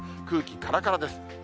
空気からからです。